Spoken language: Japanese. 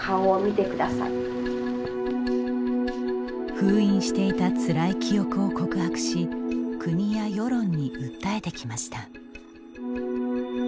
封印していたつらい記憶を告白し国や世論に訴えてきました。